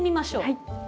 はい。